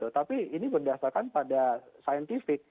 tapi ini berdasarkan pada scientific